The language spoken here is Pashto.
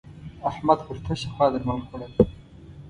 احمد پر تشه خوا درمل خوړول.